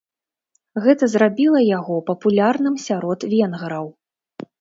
Гэта зрабіла яго папулярным сярод венграў.